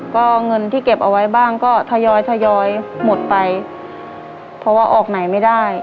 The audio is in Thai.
ก็เงินที่เก็บเอาไว้บ้างก็ทยอยทยอยหมดไปเพราะว่าออกไหนไม่ได้